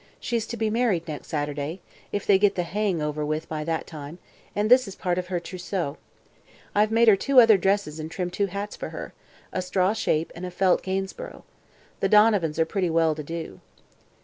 She's to be married next Saturday if they get the haying over with by that time and this is part of her trousseau. I've made her two other dresses and trimmed two hats for her a straw shape and a felt Gainsboro. The Donovans are pretty well to do."